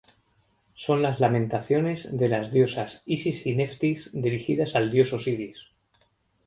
Son las lamentaciones de las diosas Isis y Neftis dirigidas al dios Osiris.